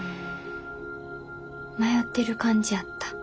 迷ってる感じやった。